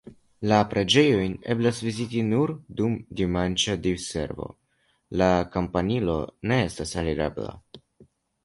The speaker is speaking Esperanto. La preĝejon eblas viziti nur dum dimanĉa diservo, la kampanilo ne estas alirebla.